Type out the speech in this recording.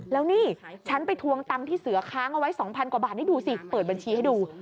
แล้วนี่ฉันไปทวงตังค์ที่เสือค้างเอาไว้๒๐๐กว่าบาทนี่ดูสิเปิดบัญชีให้ดู